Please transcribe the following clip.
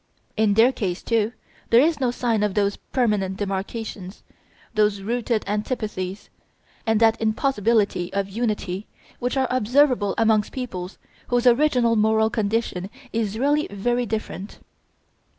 In their case, too, there is no sign of those permanent demarcations, those rooted antipathies, and that impossibility of unity which are observable amongst peoples whose original moral condition is really very different.